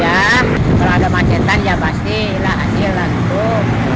ya kalau ada macetan ya pasti lah hasil lah